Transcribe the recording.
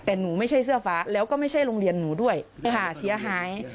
แต่หนูไม่ใช่เสื้อฟ้าแล้วก็ไม่ใช่โรงเรียนหนูด้วยค่ะเสียหาย